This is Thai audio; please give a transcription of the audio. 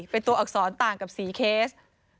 เป็นตัวอักษรต่างกับ๔เคส